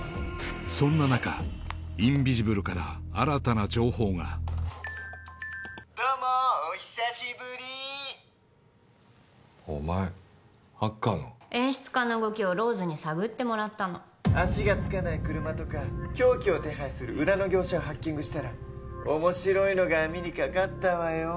そんな中インビジブルから新たな情報がどうもーお久しぶりお前ハッカーの演出家の動きをローズに探ってもらったの足がつかない車とか凶器を手配する裏の業者をハッキングしたら面白いのが網にかかったわよ